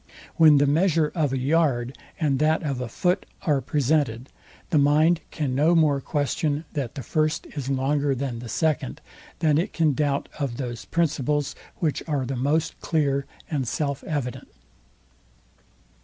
When the measure of a yard and that of a foot are presented, the mind can no more question, that the first is longer than the second, than it can doubt of those principles, which are the most clear and self evident.